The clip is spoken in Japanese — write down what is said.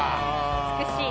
美しい。